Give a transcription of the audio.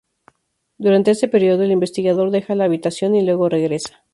Durante este período el investigador deja la habitación y luego regresa.